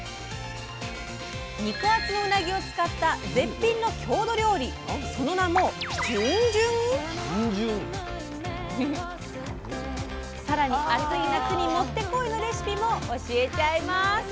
肉厚のうなぎを使った絶品の郷土料理その名もじゅんじゅん⁉更に暑い夏にもってこいのレシピも教えちゃいます。